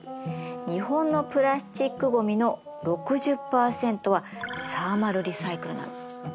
日本のプラスチックごみの６０％はサーマルリサイクルなの。